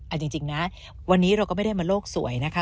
เอาจริงนะวันนี้เราก็ไม่ได้มาโลกสวยนะคะ